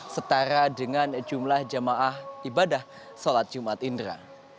setara dengan jumlah jamaah ibadah sholat jumat indra